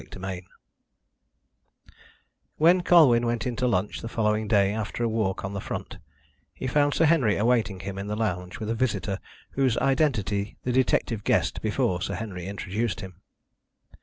CHAPTER XIV When Colwyn went in to lunch the following day after a walk on the front, he found Sir Henry awaiting him in the lounge with a visitor whose identity the detective guessed before Sir Henry introduced him.